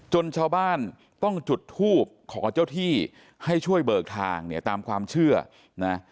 ชาวบ้านต้องจุดทูบขอเจ้าที่ให้ช่วยเบิกทางเนี่ยตามความเชื่อนะ